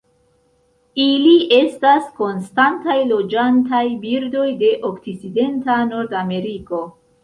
Ili estas konstantaj loĝantaj birdoj de okcidenta Nordameriko.